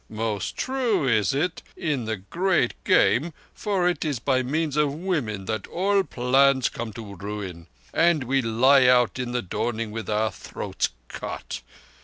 Most true is it in the Great Game, for it is by means of women that all plans come to ruin and we lie out in the dawning with our throats cut.